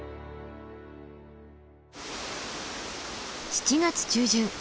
７月中旬。